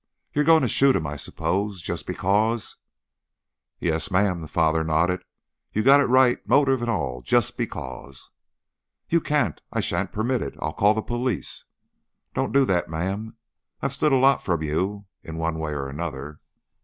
You're going to shoot him, I suppose, just because " "Yes'm!" the father nodded. "You got it right, motif an' all. 'Just because'!" "You can't. I sha'n't permit it. I I'll call the police." "Don't do that, ma'am. I've stood a lot from you, in one way or another."